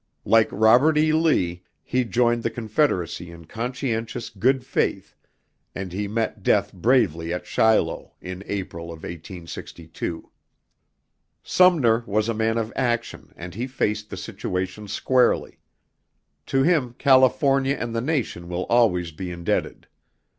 Like Robert E. Lee, he joined the Confederacy in conscientious good faith, and he met death bravely at Shiloh in April, 1862. Sumner was a man of action and he faced the situation squarely. To him, California and the nation will always be indebted.